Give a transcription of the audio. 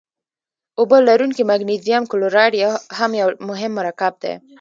اوبه لرونکی مګنیزیم کلورایډ هم یو مهم مرکب دی.